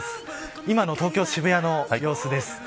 今の東京、渋谷の様子です。